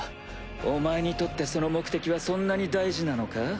お前にとってその目的はそんなに大事なのか？